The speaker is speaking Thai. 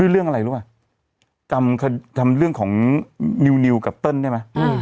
เรื่องอะไรรู้มั้ยกลั้นทำเรื่องของนิวกับเติ้ลได้มั้ย